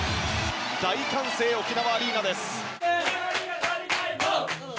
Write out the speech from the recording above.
大歓声、沖縄アリーナです。